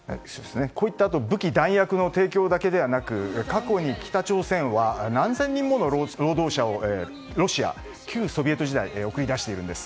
こういった武器、弾薬の提供だけでなく過去に北朝鮮は何千人もの労働者をロシア旧ソビエト時代に送り出しているんです。